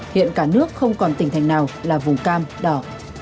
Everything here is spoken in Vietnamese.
hiện cả nước không còn tỉnh thành nào là vùng cam đỏ